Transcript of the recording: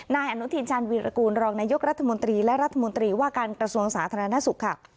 นายอนุทินชาญวีรกูลรองนายกรัฐมนตรีและรัฐมนตรีว่าการกระทรวงสาธารณสุขค่ะ